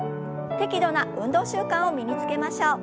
適度な運動習慣を身につけましょう。